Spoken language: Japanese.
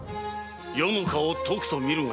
余の顔をとくと見るがよい。